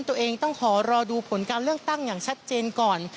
ตัวเองต้องขอรอดูผลการเลือกตั้งอย่างชัดเจนก่อน